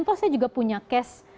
atau saya juga punya cash